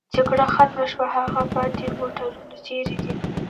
جګړه ختمه شوې، هغه پاتې موټرونه چېرې دي؟